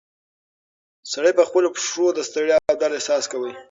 سړی په خپلو پښو کې د ستړیا او درد احساس کاوه.